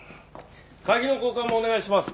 鍵の交換もお願いします。